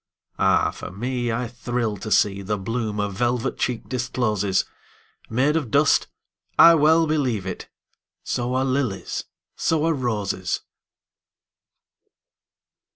Ah, for me, I thrill to seeThe bloom a velvet cheek discloses, Made of dust—I well believe it! So are lilies, so are roses!